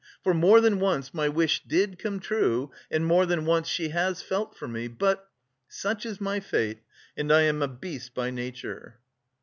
For more than once, my wish did come true and more than once she has felt for me but... such is my fate and I am a beast by nature!"